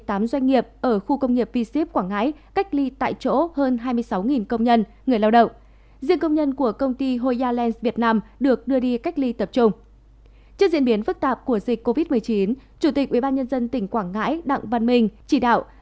trước diễn biến phức tạp của dịch covid một mươi chín chủ tịch ubnd tỉnh quảng ngãi đặng văn minh chỉ đạo